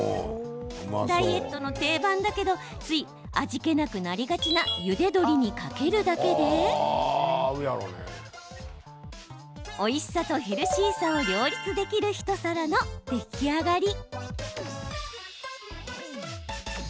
ダイエットの定番だけどつい味気なくなりがちなゆで鶏にかけるだけでおいしさとヘルシーさを両立できる一皿の出来上がり。